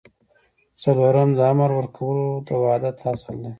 څلورم د امر ورکولو د وحدت اصل دی.